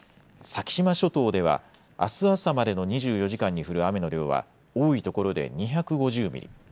先島諸島ではあす朝までの２４時間に降る雨の量は多いところで２５０ミリ。